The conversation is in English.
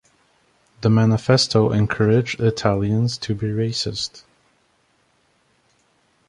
The manifesto encouraged Italians to be racist.